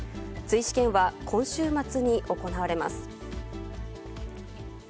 追試験は今週末に行われます。